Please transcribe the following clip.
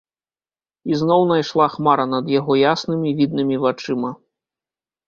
Ізноў найшла хмара над яго яснымі, віднымі вачыма.